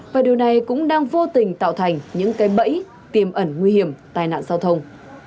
và điều này cũng đang vô tình tạo thành những cái bẫy tiềm ẩn nguy hiểm tai nạn giao thông